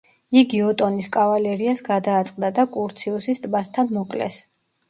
იგი ოტონის კავალერიას გადააწყდა და კურციუსის ტბასთან მოკლეს.